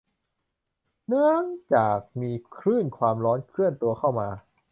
เนื้องจากมีคลื่นความร้อนเคลื่อนตัวเข้ามา